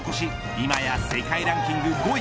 今や世界ランキング５位。